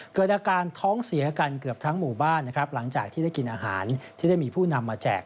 เกิดอาการท้องเสียกันเกือบทั้งหมู่บ้านนะครับหลังจากที่ได้กินอาหารที่ได้มีผู้นำมาแจก